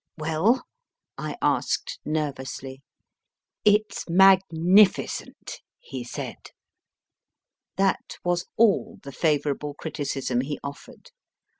Well ? I asked, nervously. It s magnificent, he said. That was all the favourable criticism he offered.